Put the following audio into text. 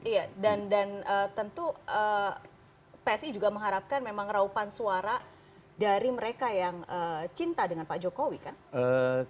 dan tentu psi juga mengharapkan memang raupan suara dari mereka yang cinta dengan pak jokowi kan